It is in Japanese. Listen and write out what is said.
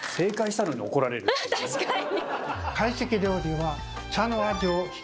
確かに！